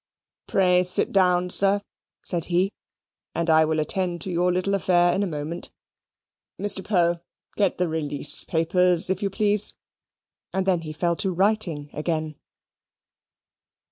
"Pray, sit down, sir," said he, "and I will attend to your little affair in a moment. Mr. Poe, get the release papers, if you please"; and then he fell to writing again.